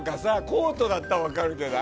コートだったら分かるけど。